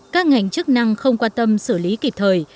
các ngành chức năng không quan tâm xử lý kịp thời